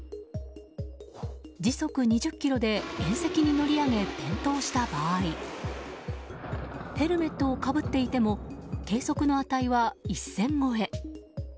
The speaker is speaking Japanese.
時速２０キロで縁石に乗り上げ転倒した場合ヘルメットをかぶっていても計測の値は１０００超え。